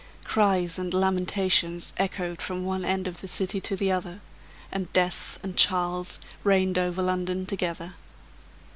Cries and lamentations echoed from one end of the city to the other, and Death and Charles reigned over London together.